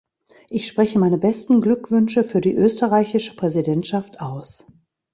Ich spreche meine besten Glückwünsche für die österreichische Präsidentschaft aus!